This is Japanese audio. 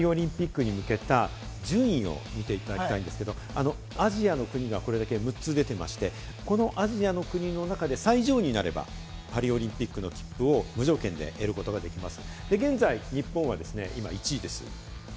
今のパリオリンピックに向けた順位を見ていただきたいんですけれども、アジアの国がこれだけ６つ出てまして、このアジアの国の中で最上位になればパリオリンピックの切符を無条件で得ることができます。